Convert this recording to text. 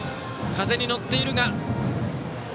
風に乗っていたが。